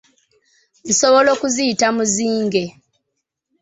Nsobola okuziyita muzinge.